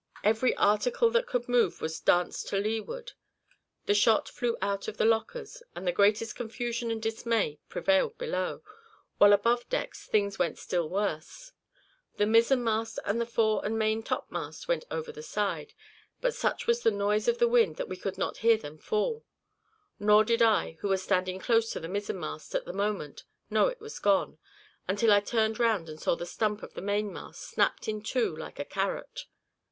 Every article that could move was danced to leeward; the shot flew out of the lockers, and the greatest confusion and dismay prevailed below, while above deck things went still worse; the mizen mast and the fore and main topmast went over the side; but such was the noise of the wind, that we could not hear them fall; nor did I, who was standing close to the mizen mast at the moment, know it was gone, until I turned round and saw the stump of the mast snapped in two like a carrot.